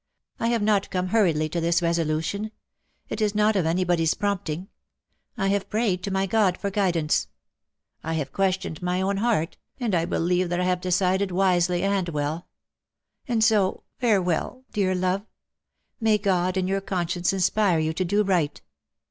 I have not come hurriedly to this resolution. It is not of anybody^s prompting. I have prayed to my God for guidance. I have questioned my own heart, and I believe that I have decided wisely and well. And so farewell^ dear love. May God and your conscience inspire you to do right.